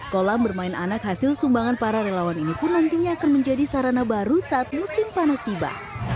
kolam bermain anak hasil sumbangan para relawan ini pun nantinya akan menjadi sarana baru saat musim panas tiba